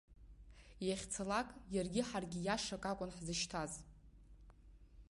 Иахьцалак, иаргьы ҳаргьы иашак акәын ҳзышьҭаз.